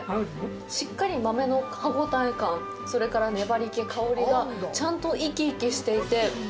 しっかり豆の歯応え感、それから粘りけ、香りがちゃんと生き生きしていて。